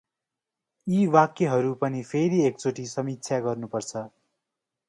यी वाक्यहरु पनि फेरि एकचोटि समीक्षा गर्नुपर्छ ।